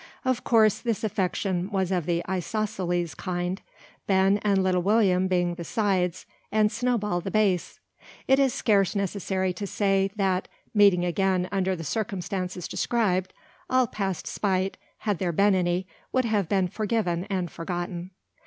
Of course this affection was of the isosceles kind, Ben and Little William being the sides, and Snowball the base. It is scarce necessary to say, that, meeting again under the circumstances described, all past spite, had there been any, would have been forgiven and forgotten.